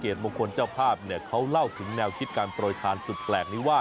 มงคลเจ้าภาพเนี่ยเขาเล่าถึงแนวคิดการโปรยทานสุดแปลกนี้ว่า